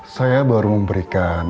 saya baru memberikan